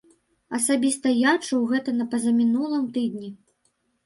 Асабіста я чуў гэта на пазамінулым тыдні.